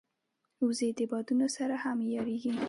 وزې د بادونو سره هم عیارېږي